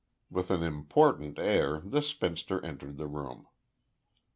With an important air the spinster entered the room.